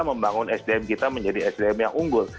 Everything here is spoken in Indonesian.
membangun sdm kita menjadi sdm yang unggul